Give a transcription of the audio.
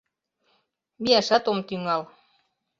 — Мияшат ом тӱҥал.